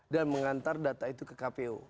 dan mengantar data itu ke kpu